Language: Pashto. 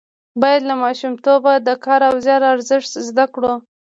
باید له ماشومتوبه د کار او زیار ارزښت زده کړو.